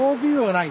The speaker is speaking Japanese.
ない。